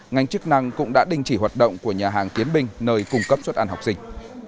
ngành chức năng cũng đã đình chỉ hoạt động của nhà hàng tiến binh nơi cung cấp suất ăn học sinh